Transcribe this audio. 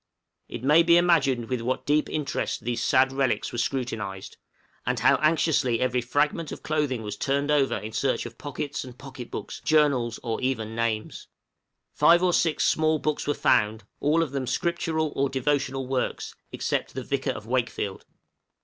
It may be imagined with what deep interest these sad relics were scrutinised, and how anxiously every fragment of clothing was turned over in search of pockets and pocket books, journals, or even names. Five or six small books were found, all of them scriptural or devotional works, except the 'Vicar of Wakefield.'